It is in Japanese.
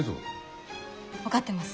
分かってます。